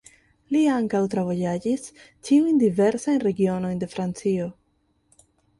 Li ankaŭ travojaĝis ĉiujn diversajn regionojn de Francio.